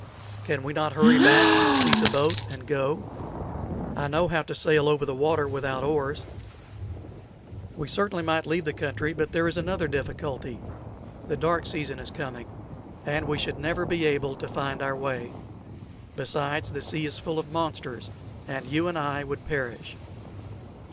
"Can we not hurry back, seize a boat, and go? I know how to sail over the water without oars." "We certainly might leave the country; but there is another difficulty. The dark season is coming, and we should never be able to find our way. Besides, the sea is full of monsters, and you and I would perish."